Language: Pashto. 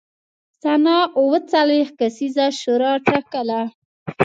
سنا او څلوېښت کسیزه شورا ټاکله